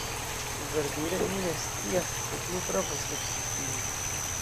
Verdire, mi ne scias, sed mi provos ekscii.